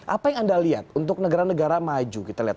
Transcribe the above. apa yang anda lihat untuk negara negara maju kita lihat